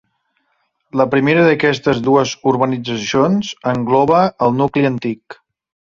La primera d'aquestes dues urbanitzacions engloba el nucli antic.